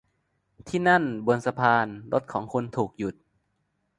ที่นั่น บนสะพาน รถของคุณถูกหยุด